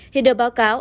hiện được báo cáo